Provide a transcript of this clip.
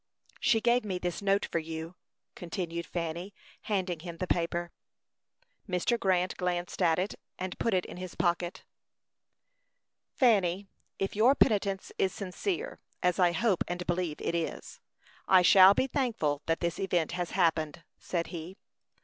She gave me this note for you," continued Fanny, handing him the paper. Mr. Grant glanced at it, and put it in his pocket. "Fanny, if your penitence is sincere, as I hope and believe it is, I shall be thankful that this event has happened," said he.